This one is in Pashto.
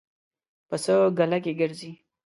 پسه ګله کې ګرځي.